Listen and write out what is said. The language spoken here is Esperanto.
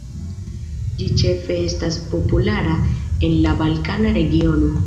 Ĝi ĉefe estas populara en la balkana regiono.